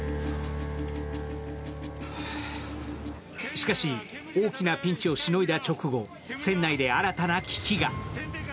しかし、大きなピンチをしのいだ直後、船内で新たな危機が。